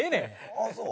ああそう？